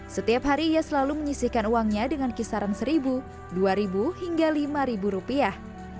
setiap hari ia selalu menyisihkan uangnya dengan kisaran seribu dua ribu hingga lima ribu rupiah